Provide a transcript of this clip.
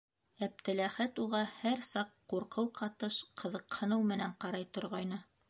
Әптеләхәт уға һәр саҡ ҡурҡыу ҡатыш ҡыҙыҡһыныу менән ҡарай торғайны.